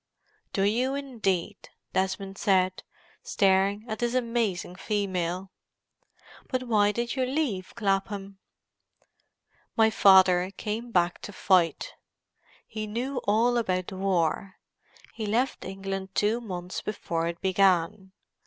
"Do you, indeed?" Desmond said, staring at this amazing female. "But why did you leave Clapham?" "My father came back to fight. He knew all about the war; he left England two months before it began.